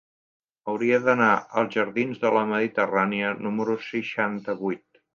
Hauria d'anar als jardins de la Mediterrània número seixanta-vuit.